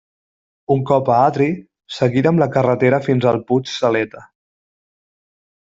Un cop a Adri, seguirem la carretera fins al Puig Saleta.